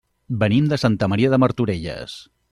Venim de Santa Maria de Martorelles.